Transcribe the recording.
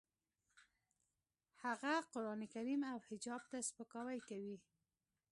هغه قرانکریم او حجاب ته سپکاوی کوي